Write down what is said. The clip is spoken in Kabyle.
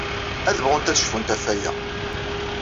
Ad bɣunt ad cfunt ɣef waya.